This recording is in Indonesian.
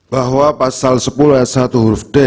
bahwa pasal sepuluh ayat satu huruf d